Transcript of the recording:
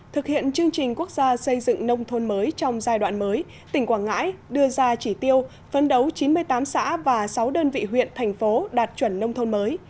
thực hiện chương trình quốc gia xây dựng nông thôn mới trong giai đoạn mới tỉnh quảng ngãi đưa ra chỉ tiêu phấn đấu chín mươi tám xã và sáu đơn vị huyện thành phố đạt chuẩn nông thôn mới